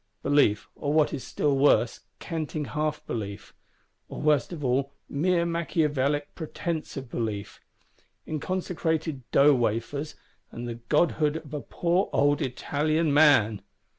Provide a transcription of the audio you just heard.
Belief, or what is still worse, canting half belief; or worst of all, mere Macchiavellic pretence of belief,—in consecrated dough wafers, and the godhood of a poor old Italian Man!